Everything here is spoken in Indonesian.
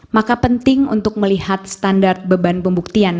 maka penting untuk melihat standar beban pembuktian